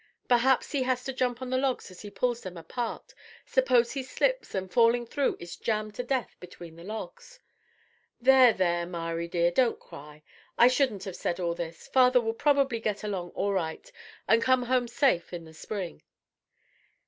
Perhaps he has to jump on the logs as he pulls them apart. Suppose he slips and, falling through, is jammed to death between the logs! "There, there, Mari, dear, don't cry. I shouldn't have said all this. Father will probably get along all right and come home safe in the spring."